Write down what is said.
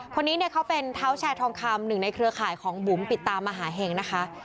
คนนี้เนี่ยเขาเป็นเท้าแชร์ทองคำหนึ่งในเครือข่ายของบุ๋มปิดตามหาเห็งนะคะ